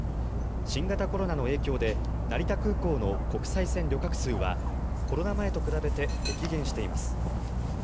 新型コロナの影響で成田空港の国際線旅客数はコロナ前と比べて激減しています。